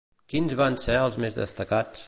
Quins van ser els més destacats?